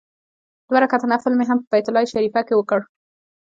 دوه رکعته نفل مې هم په بیت الله شریفه کې وکړ.